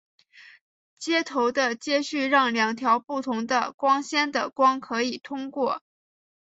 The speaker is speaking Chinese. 接头的接续让两条不同的光纤的光可以通过。